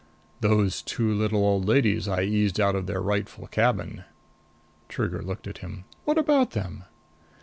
"Those two little old ladies I eased out of their rightful cabin." Trigger looked at him. "What about them?"